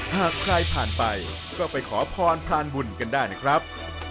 หากใครผ่านไปก็ไปขอพรพรานบุญกันได้นะครับ